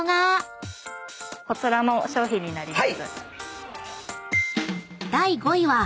こちらの商品になります。